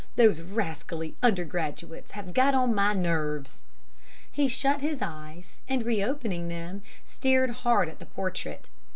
'Those rascally undergraduates have got on my nerves.' "He shut his eyes; and re opening them, stared hard at the portrait.